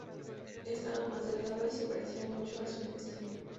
Estaba más delgado y se parecía mucho a su hijo Steven.